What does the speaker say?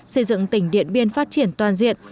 xây dựng tỉnh điện biên phát triển toàn diện